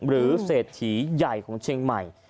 เศรษฐีใหญ่ของเชียงใหม่